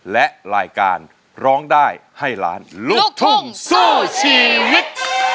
และรายการร้องได้ให้ล้านลูกทุ่งสู้ชีวิต